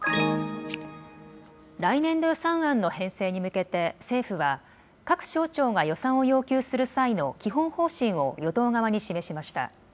来年度予算案の編成に向けて、政府は、各省庁が予算を要求する際の基本方針を与党側に示しました。